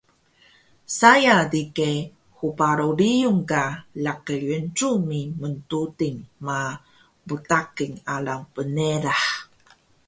saya digeh hbaro riyung ka laqi Yencuming mntuting ma mdakil alang pngerah